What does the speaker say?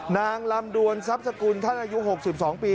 นางลำดวนทรัพย์สกุลท่านอายุ๖๒ปี